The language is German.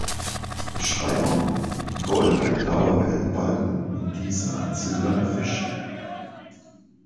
Beschreibung: "In Gold ein blauer Wellenbalken, in diesem ein silberner Fisch.